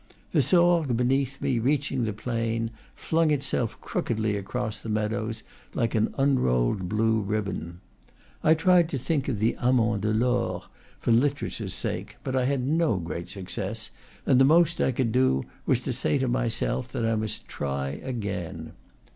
The Sorgues, beneath me, reaching the plain, flung itself crookedly across the meadows, like an un rolled blue ribbon. I tried to think of the amant de Laure, for literature's sake; but I had no great success, and the most I could, do was to say to myself that I must try again.